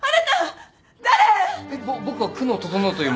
ぼ僕は久能整という者。